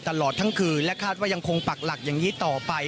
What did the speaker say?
ตลอดทั้งคืนและคาดว่ายังคงปักหลักอย่างนี้ต่อไป